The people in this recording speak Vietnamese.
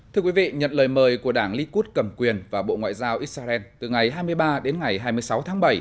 thưa quý vị nhận lời mời của đảng likud cầm quyền và bộ ngoại giao israel từ ngày hai mươi ba đến ngày hai mươi sáu tháng bảy